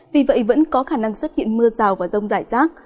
vì vậy vẫn có khả năng xuất hiện mưa rào và rông rải rác